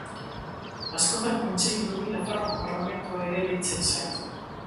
Askotan kontseilu honi Nafarroako Parlamentua ere deitzen zaio.